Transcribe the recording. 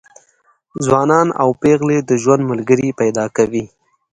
ځوانان او پېغلې د ژوند ملګري پیدا کوي.